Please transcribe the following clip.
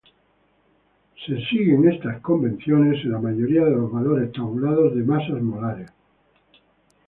Estas convenciones son seguidas en la mayoría de los valores tabulados de masas molares.